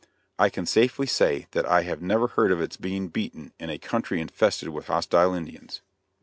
I can safely say that I have never heard of its being beaten in a country infested with hostile Indians.